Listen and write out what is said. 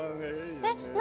えっ何？